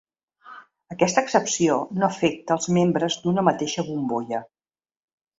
Aquesta excepció no afecta els membres d’una mateixa bombolla.